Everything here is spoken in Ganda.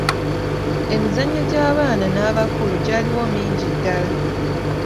Emizanyo gy'abaana n'abakulu gyaliwo mingi ddala.